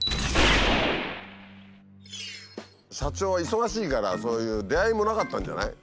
社長は忙しいからそういう出会いもなかったんじゃない？